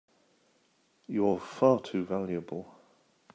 You're far too valuable!